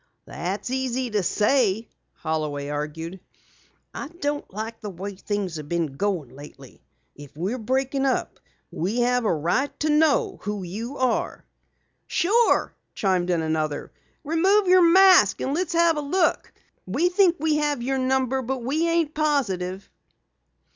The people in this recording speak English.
"That's easy to say," Holloway argued. "I don't like the way things have been going lately. If we're breaking up, we have a right to know who you are." "Sure," chimed in another. "Remove your mask, and let's have a look. We think we have your number but we ain't positive."